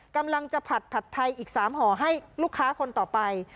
กำลังจะผัดผัดไทยอีก๓ห่อให้ลูกค้าคนต่อไป